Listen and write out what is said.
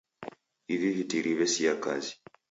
Ivi vitiri vesia kazi.